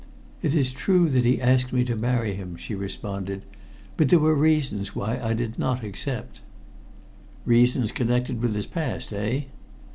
"It is true that he asked me to marry him," she responded. "But there were reasons why I did not accept." "Reasons connected with his past, eh?"